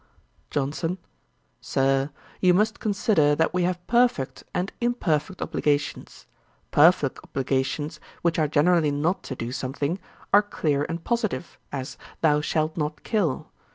JOHNSON. 'Sir you must consider that we have perfect and imperfect obligations. Perfect obligations, which are generally not to do something, are clear and positive; as, 'thou shalt not kill.'